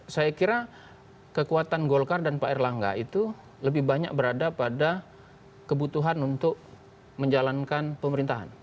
saya kira kekuatan golkar dan pak erlangga itu lebih banyak berada pada kebutuhan untuk menjalankan pemerintahan